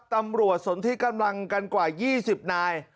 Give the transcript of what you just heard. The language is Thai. ตำรวจสนที่กำลังกันกว่ายี่สิบนาย